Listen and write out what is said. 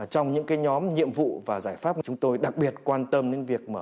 trong những nhóm nhiệm vụ và giải pháp chúng tôi đặc biệt quan tâm đến việc